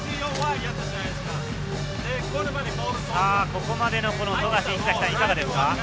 ここまでのこの富樫、いかがですか？